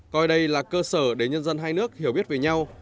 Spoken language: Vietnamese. coi đây là cơ sở để nhân dân hai nước hiểu biết về nhau